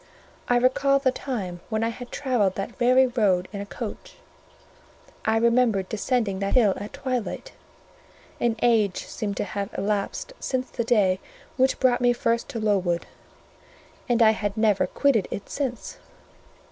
I recalled the time when I had travelled that very road in a coach; I remembered descending that hill at twilight; an age seemed to have elapsed since the day which brought me first to Lowood, and I had never quitted it since.